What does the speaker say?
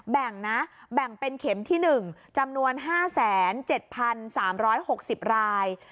แบ่งนะแบ่งเป็นเข็มที่๑จำนวน๕๗๓๖๐ราย